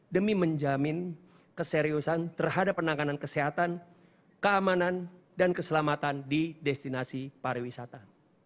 demi menjamin keseriusan terhadap penanganan kesehatan keamanan dan keselamatan di destinasi pariwisata